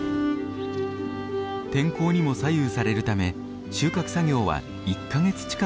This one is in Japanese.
天候にも左右されるため収穫作業は１か月近くかかるそうです。